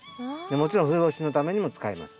もちろん冬越しのためにも使います。